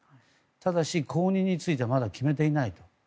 ただし、後任についてはまだ決めていないと。